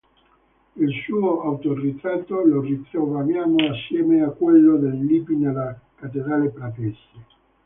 Il suo autoritratto lo ritroviamo assieme a quello del Lippi nella cattedrale pratese.